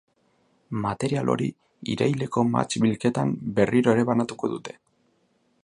Material hori, iraileko mahats-bilketan, berriro ere banatuko dute.